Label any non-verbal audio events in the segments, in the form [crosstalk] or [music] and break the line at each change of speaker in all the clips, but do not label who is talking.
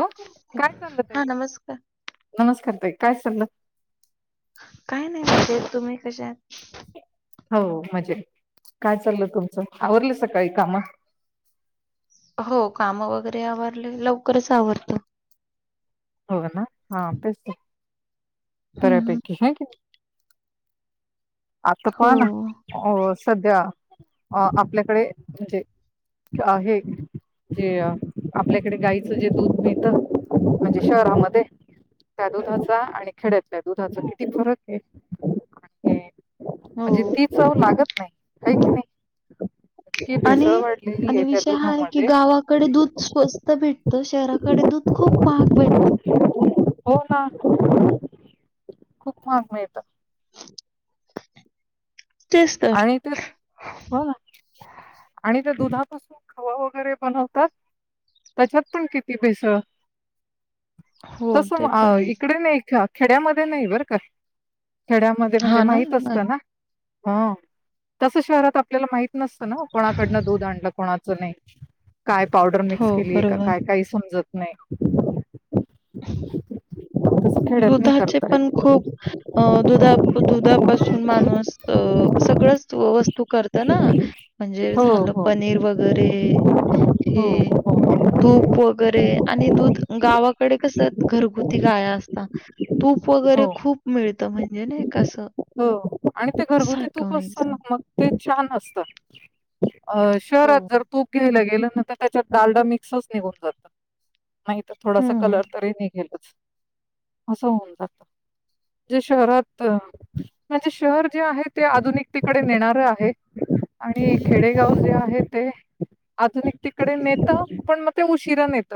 हो, काय चाललं ताई?
हा नमस्कार
नमस्कार ताई काय चाललं?
काही नाही, म्हणजे तुम्ही कश्या आहात?
हो, म्हजे काय चाललं तुमचं आवरलं सकाळी काम
हो, काम वगैरे आवारले लवकरच आवरतो.
हो, ना हाे,
हम्म
बऱ्यापैकी क आता
हो
पण अ सध्या अ आपल्याकडे म्हणजे आहे. जे आपल्याकडे गाईचं जे दूध मिळत म्हणजे शहरामध्ये [unintelligible] आणि खेड्यातल्या दुधाचा किती फरक हे, आणि
हो
म्हणजे ती चव लागत नाही, आहे कि नाही किती भेसळ
आणि
वाढली
आणि विषय हा आहे की गावाकडे दूध स्वस्त भेटतं शहराकडे दूध खूप महाग भेटत
हो ना खूप महाग मिळत
तेच तर
आणि ते हो ना आणि ते दूध ह खवा वगैरे बनवतात त्याच्यात पण किती पिस
हो
तसग
ते पण आहे
इकडे नाही का खेड्यामध्ये नाही बर का खेड्यामध्ये म्हणजे
हा ना
माहित असत
नाही
ना हा तस शहरात आपल्याला माहित नसतं ना कोणाकडनं दूध आणलं कोणाचं नाही काय पावडर
हो
मिक्स केलीय का
बरोबर
काय काही समजत नाही तसं खेड्यात नाही
दुधाचे
करता
पण
येत
खूप अ दुधा दुधापासून माणूस अ
ह
सगळंच वस्तू करत ना म्हणजे
हो
झालं
हो
पनीर वगैरे
हो
हे
हो
तूप वगैरे आणि दूध गावाकडे कस घरगुती गाय असत तूप वगैरे
हो
खूप मिळत म्हणजे ना कस
हो आणि ते घरगुती तूप असतात मग ते छान असतात अ
हो.
शहरात जर तूप घ्यायला गेलं ना तर त्याच्यात ाडा मिक्सच निघून जातात नाही तर थोडासा
हं.
कलर तरी निघेल अस होऊन जात जे शहरात म्हणजे शहर जे आहे ते आधुनिक तिकडे नेणार आहे आणि खेडेगाव जे आहे ते आधुनिक तिकडे नेत पण मग ते उशिरा नेत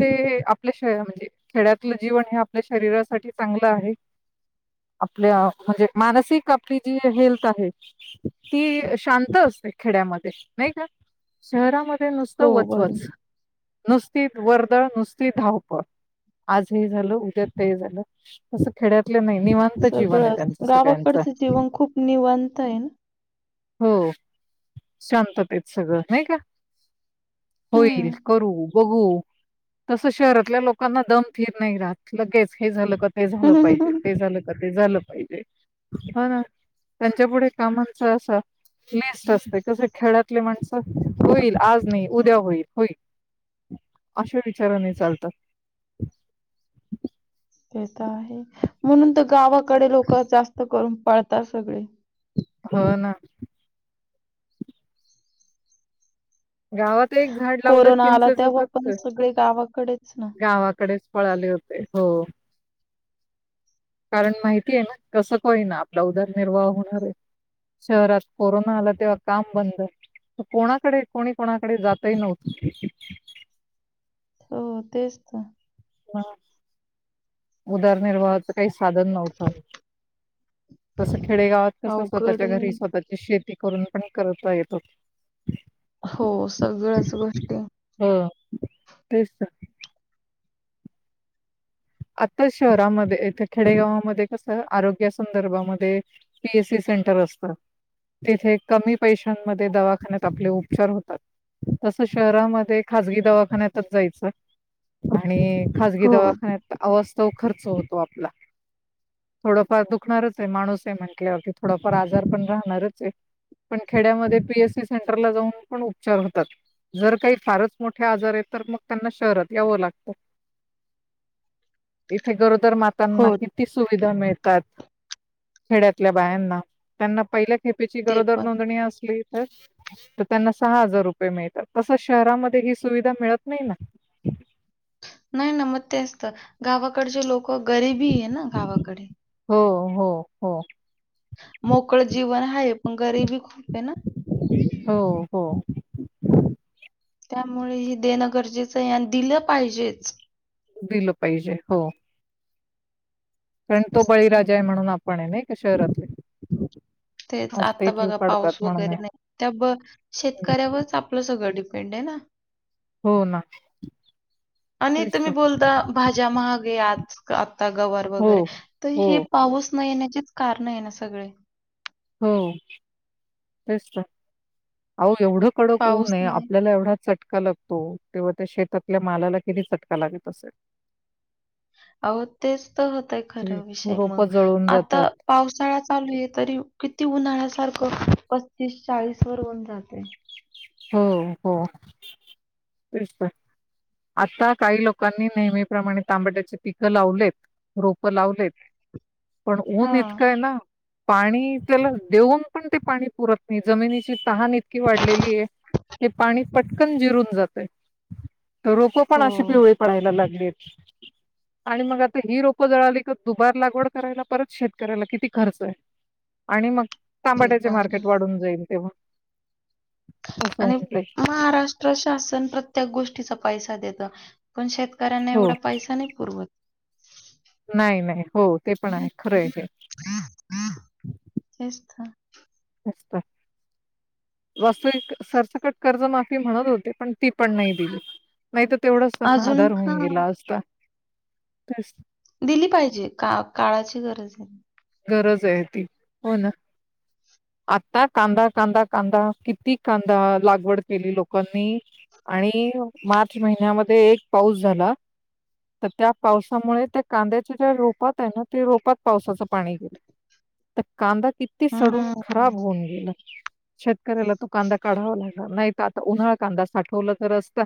ते आपल्या श म्हणजे खेड्यातलं जीवन हे आपल्या शरीरासाठी चांगलं आहे आपल्या म्हणजे मानसिक आपली जी हेल्थ आहे ती शांत असते खेड्यामध्ये नाही का शहरामध्ये
हो
नुसतं
बरं.
वचवच नुसतीच वर्दळ नुसती धावपळ आजही झालं उद्या तेही झालं तस खेड्यातलं नाही निवांत जीवन आहेत
सगळंच
अस काच
गावाकडचं जीवन खूप निवांत आहे ना.
हो शांततेत सगळं नाही का होईल
हं.
करू बघू तस शहरातल्या लोकांना दम थीर नाही राहात लगेच हे झालं हे झालं पाहिजे ते झालं का ते झालं पाहिजे ह ना त्यांच्या पुुढे कामांचा असा नस्ट असते कस खेळातले माणस होईल आज नाही उद्या होईल होईल अशा विचाराने चालतात
ते तर आहे म्हणून तर गावाकडे लोक जास्त करून पळतात सगळे
हो ना गावात एक झाड लावलं
कोरोना आला
चिंचेचं
तेव्हा
फक्त
पण सगळे गावाकडेच ना.
गावाकडेच पळाले होते हो कारण माहिती आहे ना कसं काय होईना आपला उदारनिर्वाह होणार आहे शहरात कोरोना आला तेव्हा काम बंद कोणाकडे कोणी कोणाकडे जातही नव्हते
हो तेच तर
ह उदारनिर्वाहाच काही साधन नव्हतं तस खेडेगावात कस
अवघड
स्वतःच्या घरी
आहे.
स्वतःची शेती करून पण करता येत हो
हो सगळ्याच गोष्टी
हं तेच तर. आता शहरामध्ये इथ खेडेगावामध्ये कस आरोग्या संदर्भामध्ये पीएससी सेंटर असत तिथे कमी पैशांमध्ये दवाखान्यात आपले उपचार होतात तस शहरामध्ये खाजगी दवाखान्यातच जायचं आणि खाजगी
हो,
दवाखान्यात अवास्तव खर्च होतो आपला थोडाफार दुखणारच आहे माणूस आहे म्हटल्यावरती थोडाफार आजार पण राहणारच आहे पण खेड्यामध्ये पीएससी सेंटरला जाऊन पण उपचार होतात जर काही फारच मोठे आजार आहेत तर मग त्यांना शहरात यावं लागतं इथे गरोदर मातांना
हो.
किती सुविधा मिळ तात खेड्यातल्या बायांना. त्यांना पहिल्या खेपेची
ते
गरोदर
पण.
नोंदणी असली तर त्यांना सहा हजार रुपये मिळतात तस शहरामध्ये ही सुविधा मिळत नाही ना हम्
नाही ना मग तेचतर गावाकडचे लोक गरीबी आहे ना गावाकडे
हो हो हो
मोकळं जीवन हाय पण गरीबी खूप आहे ना
हो हो
त्यामुळे ही देणं गरजेचं आहे अन दिलं पाहिजेच
दिलं पाहिजे हो कारण तो
तर
बळीराजा आहे म्हणून आपण आहे नाही का शहरातले
तेच
आज ते
आता
जीव
बघा
काढतात
पाऊस
म्हणून
वगैरे
आहे.
नाही त्या शेतकऱ्यावरच आपलं सगळं डीपें पेंड आहे ना
हो ना
आणि
तेच
तुम्ही
तर.
बोलता भाज्या महागे आज काल गवार
हो,
वगैरे तर
हो,
हे पाऊस न येण्याचेच कारण आहे ना सगळे
हो तेच तर केवढं कडक ऊन
पाऊस
आहे
नाही
आपल्याला एवढा चट का लागतो तेव्हा त्या शेतातल्या मालाला किती चटका लागत असेल
अहो तेच तर होतोय खर
हं.
विषय मग
रोपं जळून
आता
जातात.
पावसाळा चालू आहे तरी किती उन्हाळा सारखं पस्तीस चाळीस वर ऊन जातंय
हो हो तेच तर आता काही लोकांनी नेहमीप्रमाणे तांबड्याचे पिकं लावलेत रोप लावलेत पण ऊन
हां.
इतकंय ना पाणी त्याला देऊन पण ते पाणी पुरत नाही जमिनीची तहान इतकी वाढलेली आहे हे पाणी पटकन जिरून जातंय रोप पण
हो.
अशी पिवळी पडायला लागली [inaudible] आणि मग आता ही रोपं जळाली का दुबार लागवड करायला परत शेतकऱ्याला किती खर्च आहे आणि मग
ते
तांबाट्याचे
तर आहे.
मार्केट वाढून जाईल तेव्हा असं
आणि
होऊन जाईल
महाराष्ट्र शासन प्रत्येक गोष्टीचा पैसा देतं पण शेतकऱ्यांना
हो
एवढा पैसा नाही पुरवत
नाही नाही हो ते पण आहे खरं आहे हे
ह ह तेच तर
पाय वास्तविक सरसकट कर्जमाफी म्हणत होते पण ती पण नाही दिली नाही तर तेवढाच त्यांना
अजून
आधार होऊन गेला
हां,
असता. तेच.
दिली पाहिजे का काळाची गरज आहे.
गरज आहे ती हो ना. आता कांदा कांदा कांदा किती कांदा लागवड केली लोकांनी. आणि मार्च महिन्यामध्ये एक पाऊस झाला. तर त्या पावसामुळे त्या कांद्याच्या ज्या रोपात आहे ना ते रोपात पावसाच, पाणी गेलं तर कांदा किती सडून
हम्म.
खराब होऊन गेलं शेतकऱ्याला तो कांदा काढावा लागला नाही तर आता उन्हाळा कांदा साठवला तर असत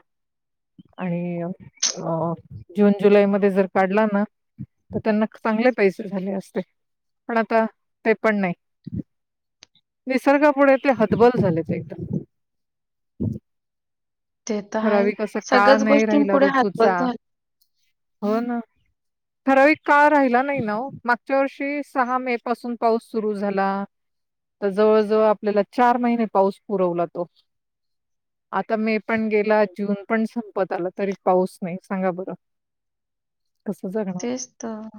आणि अं जून जुलै मध्ये जर काढला ना तर त्यांना, चांगले पैसे झाले असते पण आता ते पण नाही. निसर्गापुढे ते हदबल झालेत एकदम.
ते तर आहे.
ठरावीक अस काळ
सगळ्याच
नाही राहिला
गोष्टींपुढे हातबल
ऋतूचा
झालं.
हो ना. ठरावीक काळ राहिला नाही नाओ मागच्या वर्षी सहा मे पासून पाऊस सुरू झाला. तर जवळजवळ आपल्याला चार महिने पाऊस पुरवला तो आता मे. पण गेला जून पण संपत आला तरी पाऊस नाही, सांगा बरं. कसं जगणार?
तेच तर.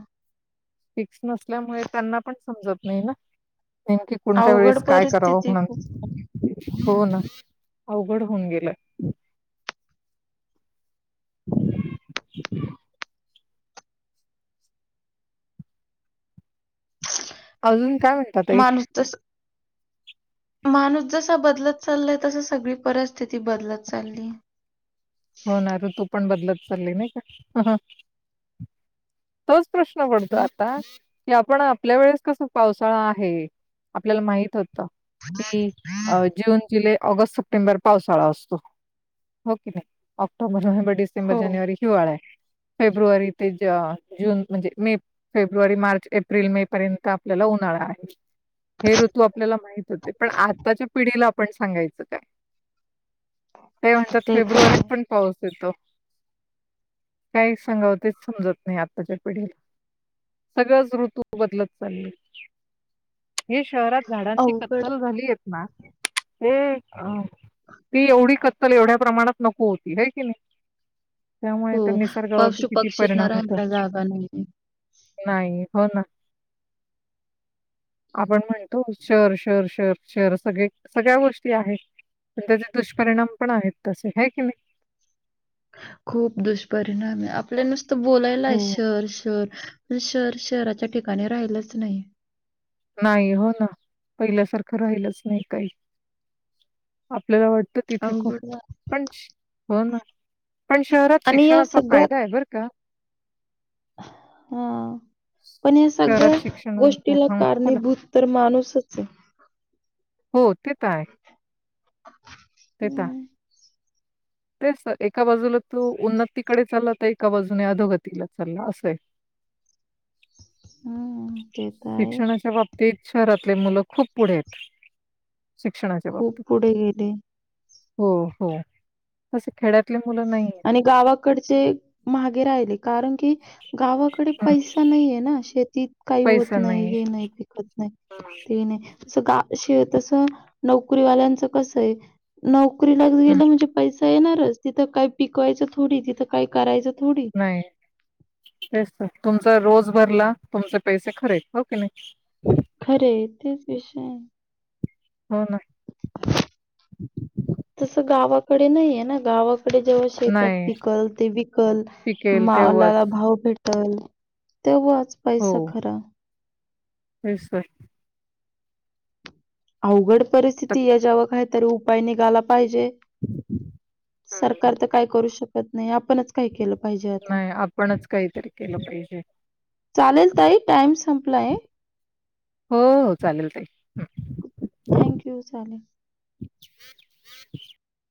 फिक्स नसल्यामुळे त्यांना पण समजत नाही ना. नेमकी कोणत्या
अवघड
वेळेस काय करावं
परिस्थिती खूप.
म्हणून. हो ना अवघड होऊन गेलं. अजून काय म्हणतात तई?
माणूस तस माणूस जसा बदलत चाललाय तस सगळी परिस्थिती बदलत चालली.
होणा, तू पण बदलत चालली नाही का? तोच प्रश्न पडतो आता कि, आपण आपल्या वेळेस कस पावसाळा आहे. आपल्याला माहित होत की जून - जुलै ऑगस्ट- सप्टेंबर पावसाळा असतो हो क नाही ऑक्टोबर- नोव्हेंबर. डिसेंबर-
हो
जानेवारी हिवाळा आहे. फेब्रुवारी ते जून म्हणजे मे फेब्रुवारी मार्च एप्रिल मे पर्यंत आपल्याला. उन्हाळा आहे. हे ऋतू आपल्याला माहित होते पण, आताच्या पिढीला आपण सांगायचं काय. ते म्हणतात
पण
फेब्रुवारी
आहे.
य काही सांगावतेच समजत नाही आताच्या पिढीला. सगळंच ऋतू बदलत चालले. हे शहरात झाडांची
अवघड
कत्तल झाली आहेत, ना ते ती एवढी कत्तल एवढ्या प्रमाणात नको होती ह कि नाही. त्यामुळे
हो
त्या निसर्गावरती
पशु
किती
पक्षींना
परिणाम होता.
राहायला जागा नाहीये.
नाही, हो ना. आपण म्हणतो शर शर शर शर सगळे सगळ्या गोष्टी आहेत. पण त्याचे दुष्परिणाम पण आहेत तसे आहे की नाही.
खूप दुष्परिणाम आहे, आपल्या नुसत बोलायला आहे
हो.
Sir sir. शहर शहराच्या ठिकाणी राहिलंच नाही.
नाही हो ना पहिल्यासारखं राहिलच नाही काही. आपल्याला वाटतं तिथे खूप
अवघड झा
पण होणार. पण शहरात
आणि या
शिक्षणाचा
सगळ्यात
फायदा आहे बरं का.
हा पण या सगळ्या
शहरात शिक्षण
गोष्टीला का
हां,
कारनी
बोला.
भूत तर माणूसच आहे.
हो, ते तर आहे, ते तर आहे.
हम्म.
तेच तर एका बाजूला तू उन्नतीकडे चालला तर एका बाजूने अधोगतीला चालला असंय. [inaudible]
हम्म तेताय.
तेच शहरातले मुलं खूप पुढे आहेत. शिक्षणाच्या
खूप
बाबतीत.
पुढे गेले.
हो हो अस खेड्यात.
आणि गावाकडचे महागे राहिले कारण की. गावाकडे
हम्म
पैसा नाहीये ना शेतीत काही होत नाही हे नाही पिकत नाही. ते नाही तस नोकरीवाल्यांच कस आहे न ोकरीला
हम्म
गेलं म्हणजे पैसा येणारच तिथं काय पिकवायचं थोडी तिथं काय करायचं. थोडी.
नाही तेच तर तुमच. रोज भरला तुमचे पैसे खरेके नाही.
खरे तेच विषय
हो ना
तस गावाकडे नाहीये ना गावा. तकडे जेव्हा शेतात
नाही
पिकल ते विकल
पिकेल तेव्हाच
मावलाला भाव भेटल. तेव्हा आज पैसा खरा.
दिसतोय.
अवघड परिस्थिती हाय याज्यावर काहीतरी उपाय निघाला पाहिजे सरकार तर काय करू शकत नाही आप?
नाही आपणच काहीतरी केलं पाहिजे.
चालेल ताई टाइम संपलाय.
हो हो चालेल ताई
थँक यू. चालेल.
[inaudible]